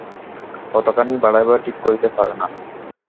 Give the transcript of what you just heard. কতখানি বাড়াইবে ঠিক করিতে পারে না।